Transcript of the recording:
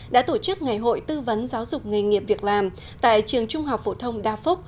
đã tổ chức ngày hội tư vấn giáo dục nghề nghiệp việc làm tại trường trung học phổ thông đa phúc